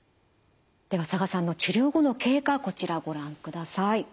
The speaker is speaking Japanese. では佐賀さんの治療後の経過こちらご覧ください。